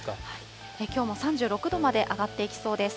きょうも３６度まで上がっていきそうです。